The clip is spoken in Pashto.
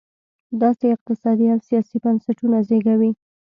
داسې اقتصادي او سیاسي بنسټونه زېږوي.